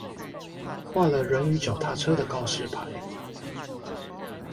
畫了人與腳踏車的告示牌